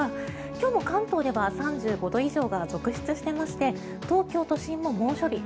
今日も関東では３５度以上が続出していまして東京都心も猛暑日。